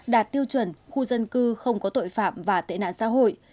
đạt tiêu chuẩn khu dân cư không có tội phạm và tệ nạn xã hội